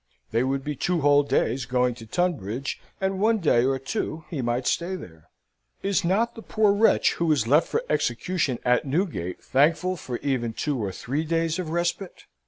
They would be two whole days going to Tunbridge, and one day or two he might stay there. Is not the poor wretch who is left for execution at Newgate thankful for even two or three days of respite?